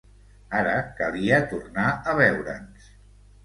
Ara calia tornar a veure'ns.